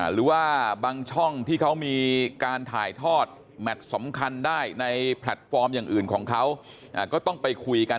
หรือว่าบางช่องที่เขามีการถ่ายทอดแมทสำคัญได้ในแพลตฟอร์มอย่างอื่นของเขาก็ต้องไปคุยกัน